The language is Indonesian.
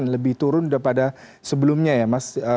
satu tujuh lebih turun daripada sebelumnya ya mas